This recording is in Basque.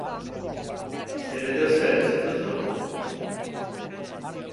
Zer edo zer entzun duzu?